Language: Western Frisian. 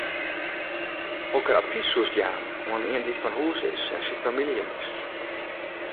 Hokker advys soest jaan oan ien dy’t fan hûs is en syn famylje mist?